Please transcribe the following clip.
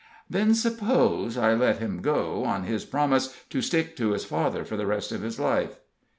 "Then suppose I let him go, on his promise to stick to his father for the rest of his life!"